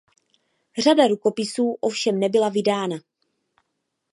Řada rukopisů ovšem nebyla vydána.